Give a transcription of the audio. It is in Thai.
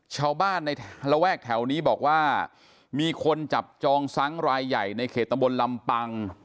ชาวบ้านในระแวกแถวนี้บอกว่ามีคนจับจองซ้างรายใหญ่ในเขตตำบลลำปัง